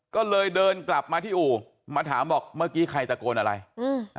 ก็เลยเดินกลับมาที่อู่มาถามบอกเมื่อกี้ใครตะโกนอะไรอืม